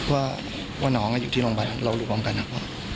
ว่าน้องอยู่ที่โรงพยาบาลเรารู้ของกันนะค่ะ